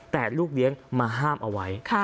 แต่ลูกเลี้ยงมาห้ามเอาไว้